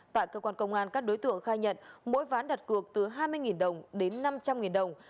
tại cơ quan công an các đối tượng khai nhận mỗi ván đặt cược từ hai mươi đồng đến năm trăm linh đồng